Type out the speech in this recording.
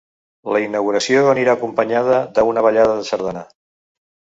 La inauguració anirà acompanyada d’una ballada de sardana.